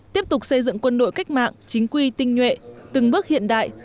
tiếp tục xây dựng quân đội cách mạng chính quy tinh nhuệ từng bước hiện đại